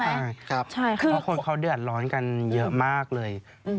เพราะคนเขาเดือดร้อนกันเยอะมากเลย